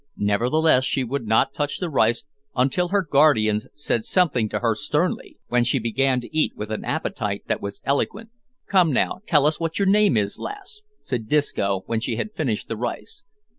Nevertheless, she would not touch the rice until her guardians said something to her sternly, when she began to eat with an appetite that was eloquent. "Come, now, tell us what your name is, lass," said Disco, when she had finished the rice.